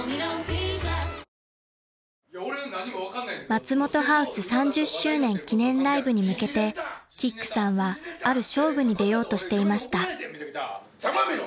［松本ハウス３０周年記念ライブに向けてキックさんはある勝負に出ようとしていました］